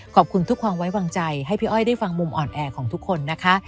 ขอบคุณทุกความไว้วางใจให้พี่อ้อยได้ฟังมุมอ่อนแอของทุกคนนะคะ